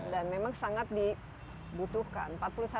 dan memang sangat dibutuhkan